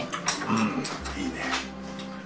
うんいいね。